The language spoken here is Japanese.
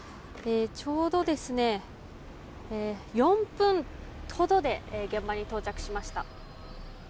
ちょうど４分ほどで現場に到着しました。